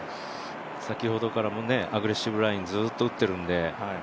先ほどからもアグレッシブライン、ずっと打っているので。